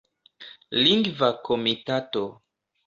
Lingva Komitato.